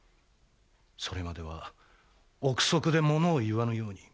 それまでは憶測でものを言わぬように。